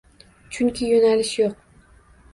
Chunki yo'nalish yo'q